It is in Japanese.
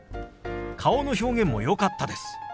顔の表現もよかったです。